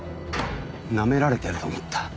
なめられてると思った。